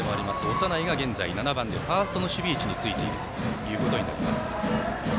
長内が現在７番でファーストの守備位置についているということになります。